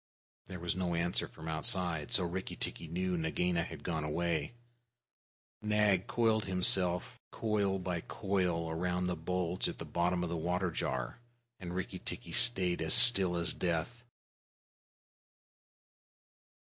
There was no answer from outside, so Rikki tikki knew Nagaina had gone away. Nag coiled himself down, coil by coil, round the bulge at the bottom of the water jar, and Rikki tikki stayed still as death.